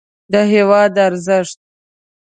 د هېواد ارزښت